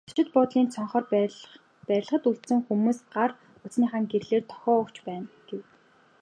Зочид буудлын цонхоор барилгад үлдсэн хүмүүс гар утасныхаа гэрлээр дохио өгч байна гэв.